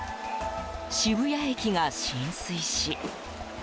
渋谷駅が浸水し。